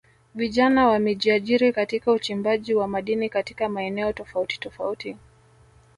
Vijana wamejiajiri katika uchimbaji wa madini katika maeneo tofauti tofauti